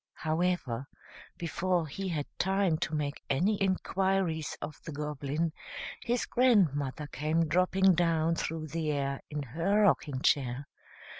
However, before he had time to make any inquiries of the Goblin, his grandmother came dropping down through the air in her rocking chair.